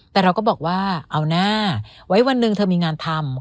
แต่เราก็บอกว่าเอาหน้าไว้วันหนึ่งเธอมีงานทำ